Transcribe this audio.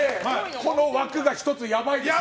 この枠が１つやばいですよ。